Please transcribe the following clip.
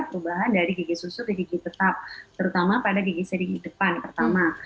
perubahan dari gigi susu ke gigi tetap terutama pada gigi depan pertama